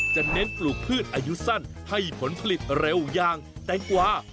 เน้นปลูกพืชอายุสั้นให้ผลผลิตเร็วอย่างแตงกวา